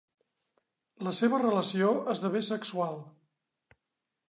La seva relació esdevé sexual.